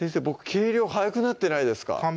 僕計量早くなってないですか？